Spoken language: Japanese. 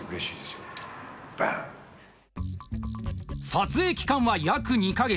撮影期間は約２か月。